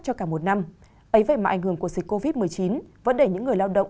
cho cả một năm ấy vậy mà ảnh hưởng của dịch covid một mươi chín vấn đề những người lao động